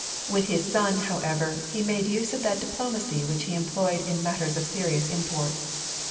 With his son, however, he made use of that diplomacy which he employed in matters of serious import.